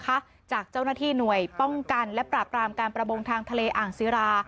จากเจ้าหน้าที่หน่วยป้องกันและปราบรามการประมงทางทะเลอ่างศิรา